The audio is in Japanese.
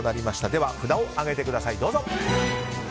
では、札を上げてください。